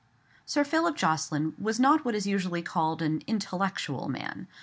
Sir Philip Jocelyn was not what is usually called an intellectual man.